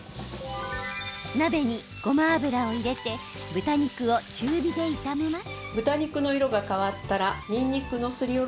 鍋にごま油を入れて豚肉を中火で炒めます。